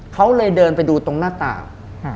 เขาเลยเดินไปดูตรงหน้าต่าง